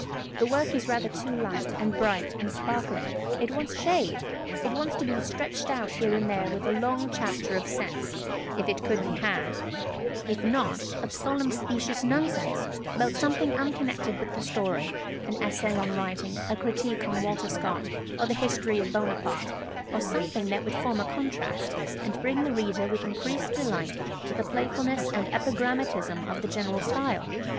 The work is rather too light, and bright, and sparkling; it wants shade; it wants to be stretched out here and there with a long chapter of sense, if it could be had; if not, of solemn specious nonsense, about something unconnected with the story; an essay on writing, a critique on Walter Scott, or the history of Buonaparte, or something that would form a contrast, and bring the reader with increased delight to the playfulness and epigrammatism of the general style